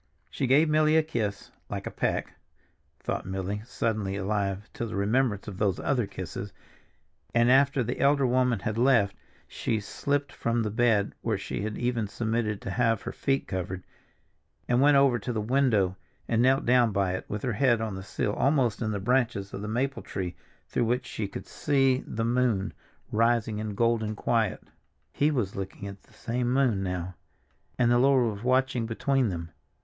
She gave Milly a little kiss, "like a peck," thought Milly, suddenly alive to the remembrance of those other kisses, and after the elder woman had left, she slipped from the bed where she had even submitted to have her feet covered, and went over to the window and knelt down by it with her head on the sill almost in the branches of the maple tree through which she could see the moon rising in golden quiet. He was looking at the same moon now, and the Lord was watching between them.